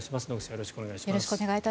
よろしくお願いします。